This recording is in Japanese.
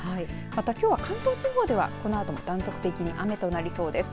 また、きょうは関東地方ではこのあとも断続的に雨となりそうです。